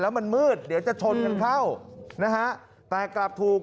แล้วมันมืดเดี๋ยวจะชนกันเข้าแต่กลับถูก